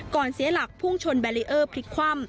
เสียหลักพุ่งชนแบรีเออร์พลิกคว่ำ